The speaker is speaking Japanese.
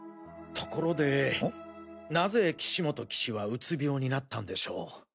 ところで何故岸本棋士はうつ病になったんでしょう？